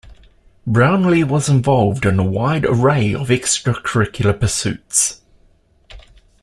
Brownlee was involved in a wide array of extracurricular pursuits.